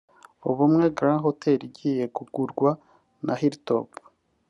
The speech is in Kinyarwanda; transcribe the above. Ubumwe Grande Hotel igiye kugurwa na Hilton